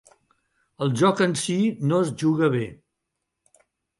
El joc en si no es juga bé.